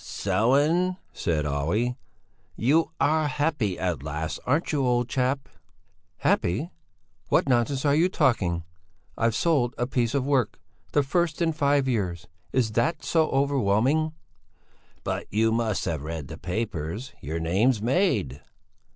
Sellén," said Olle, "you are happy at last, aren't you, old chap?" "Happy? What nonsense you are talking! I've sold a piece of work! The first in five years! Is that so overwhelming?" "But you must have read the papers! Your name's made!"